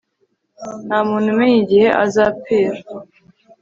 nta muntu umenya igihe azapfira